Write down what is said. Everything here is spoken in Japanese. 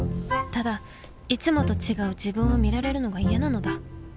ただいつもと違う自分を見られるのが嫌なのだ。